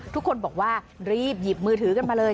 ทุกคนบอกว่ารีบหยิบมือถือกันมาเลย